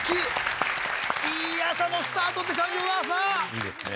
いいですね